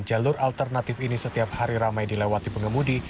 jalur alternatif ini setiap hari ramai dilewati pengemudi